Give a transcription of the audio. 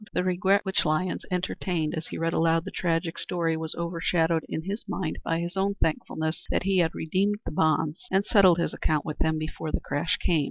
The regret which Lyons entertained as he read aloud the tragic story was overshadowed in his mind by his own thankfulness that he had redeemed the bonds and settled his account with them before the crash came.